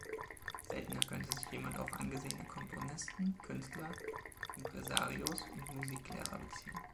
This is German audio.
Seltener könnte sich jemand auf angesehene Komponisten, Künstler, Impresarios und Musiklehrer beziehen.